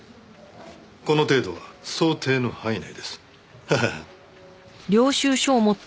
この程度は想定の範囲内です。ハハハ。